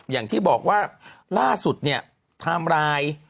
อย่างที่บอกว่าล่าสุดเนี่ยไทม์ไลน์